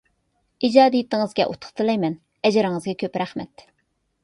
ئىجادىيىتىڭىزگە ئۇتۇق تىلەيمەن، ئەجرىڭىزگە كۆپ رەھمەت!